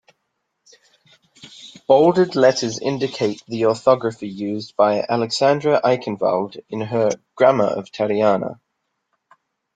Bolded letters indicate the orthography used by Alexandra Aikhenvald in her "Grammar of Tariana".